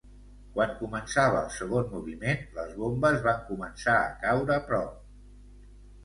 Quan començava el segon moviment, les bombes van començar a caure prop.